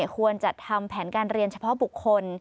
ควรจัดทำแผนการเรียนเฉพาะบุคคล